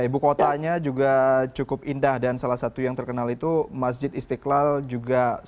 ibu kotanya juga cukup indah dan salah satu yang terkenal itu masjid istiqlal juga cukup indah bisa dengar juga ya